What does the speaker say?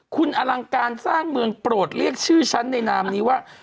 คุณอลังการสร้างเมืองโปรดเรียกชื่อฉันในนามนี้ว่า